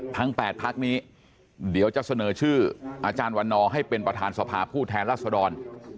ทั้งแปดพักนี้เดี๋ยวจะเสนอชื่ออาจารย์วันนให้เป็นประธานสภาผู้แทนรัฐศาสตร์